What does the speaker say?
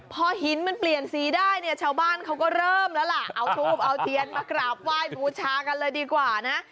พอหินมันเปลี่ยนสีได้เนี่ยชาวบ้านเขาก็เริ่มแล้วล่ะเอาทูบเอาเทียนมากราบไหว้บูชากันเลยดีกว่านะ